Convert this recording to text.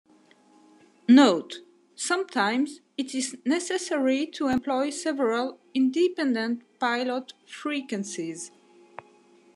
"Note:" Sometimes it is necessary to employ several independent pilot frequencies.